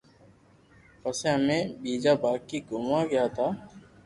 پسي امي ٻيجا پاھي گوموا گيا تا